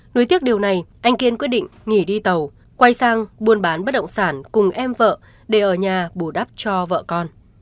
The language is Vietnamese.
nối tiếp điều này anh kiên quyết định nghỉ đi tàu quay sang buôn bán bất động sản cùng em vợ để ở nhà bù đắp cho vợ con